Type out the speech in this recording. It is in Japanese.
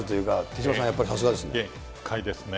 手嶋さん、やっぱりさすがですね。